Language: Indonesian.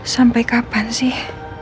sampai kapan sih